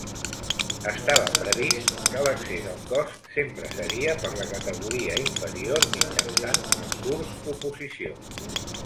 Estava previst que l'accés al Cos sempre seria per la categoria inferior mitjançant concurs-oposició.